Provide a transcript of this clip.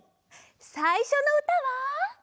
さいしょのうたは。